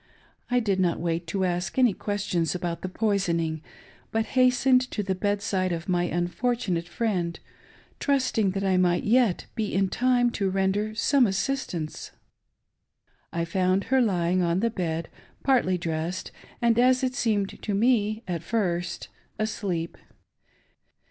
I did not wait to ask any questions about the poisoning, but hastened to the bedside of my unfortunate friend, trusting that I might yet be in time to render some assistance. I found her lying on the bed, partly dressed, and, as it seemed to me at first, asleep.